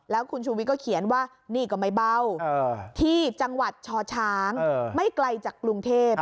แล้วคุณชูวิทก็เขียนว่านี่ก็ไม่เบาที่จังหวัดชช้างไม่ไกลจากกรุงเทพ